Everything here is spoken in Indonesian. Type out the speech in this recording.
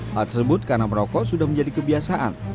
hal tersebut karena merokok sudah menjadi kebiasaan